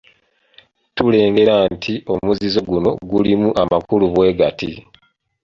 Tulengera nti omuzizo guno gulimu amakulu bwe gati.